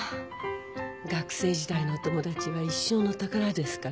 学生時代のお友達は一生の宝ですからね。